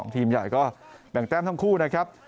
ทีมใหญ่ก็แบ่งแต้มทั้งคู่นะครับ